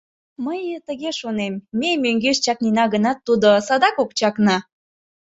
— Мый тыге шонем: ме мӧҥгеш чакнена гынат, тудо садак ок чакне.